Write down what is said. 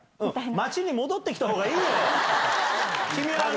町に戻ってきたほうがいいよ。